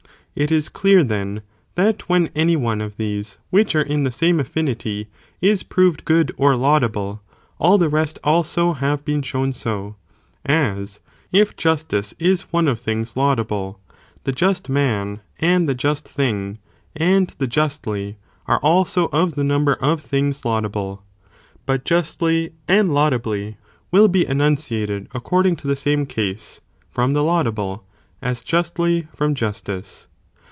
It is clear then, that when any one of these which are in the same affinity, is proved good or laudable, all the rest also have been shown 80, as, if justice is one of things laudable, the just man, and the just thing, and the justly, are also of the number of things laudable, but justly, and laudably, will be enunciated according to the same case, from the laudable, as justly from justice.